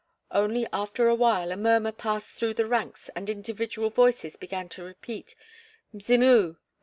Only after a while a murmur passed through the ranks and individual voices began to repeat "Mzimu!